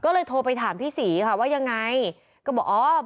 ก็เลยโทรไปถามพี่ศรีค่ะว่ายังไงก็บอกอ๋อ